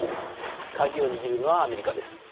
鍵を握るのはアメリカです。